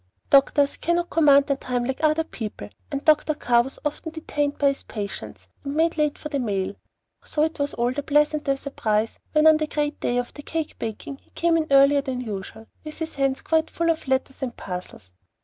Doctors cannot command their time like other people, and Dr. Carr was often detained by his patients, and made late for the mail, so it was all the pleasanter a surprise when on the great day of the cake baking he came in earlier than usual, with his hands quite full of letters and parcels.